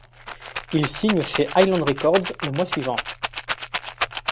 Ils signent chez Island Records le mois suivant.